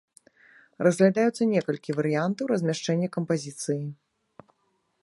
Разглядаюцца некалькі варыянтаў размяшчэння кампазіцыі.